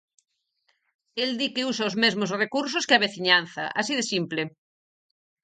El di que usa os mesmos recursos que a veciñanza, así de simple.